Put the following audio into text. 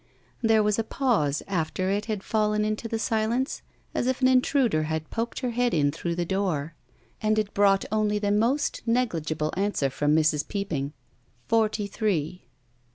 There was a pause after it had fallen into the silence, as if an intruder had poked her head in through the door, and it brought only the most negligible answer from Mrs. Peopping. Forty three."